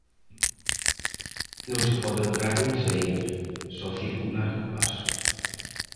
Non se pode entrar nin saír, só circular de paso.